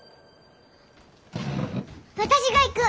私が行く！